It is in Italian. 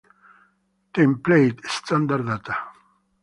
Template:Standard data